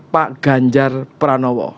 pak ganjar pranowo